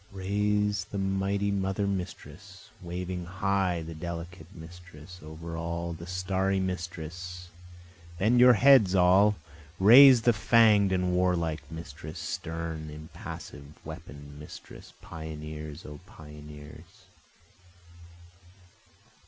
Raise the mighty mother mistress, Waving high the delicate mistress, over all the starry mistress, (bend your heads all,) Raise the fang'd and warlike mistress, stern, impassive, weapon'd mistress, Pioneers! O pioneers!